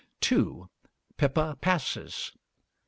'Pippa Passes.' 3.